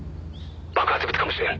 「爆発物かもしれん」